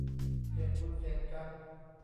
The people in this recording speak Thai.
เสี่ยงบุญเสี่ยงกรรม